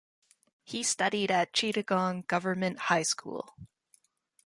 He studied at Chittagong Government High School.